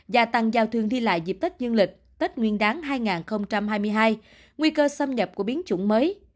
gia tăng giao thương đi lại dịp tết dương lịch tết nguyên đáng hai nghìn hai mươi hai nguy cơ xâm nhập của biến chủng mới